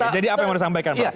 jadi apa yang mau disampaikan pak